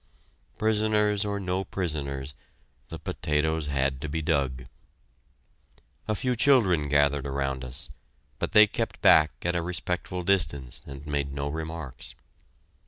Prisoners or no prisoners, the potatoes had to be dug. A few children gathered around us, but they kept back at a respectful distance and made no remarks.